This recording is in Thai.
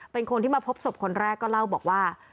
เป็นคนที่มาพบศพคนแรกก็เล่าบอกว่า